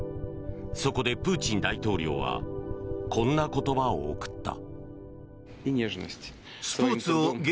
そこでプーチン大統領はこんな言葉を贈った。